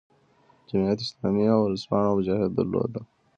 جمعیت اسلامي ورځپاڼه "مجاهد" درلوده.